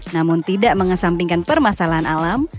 namun tidak mengesampingkan permasalahan alam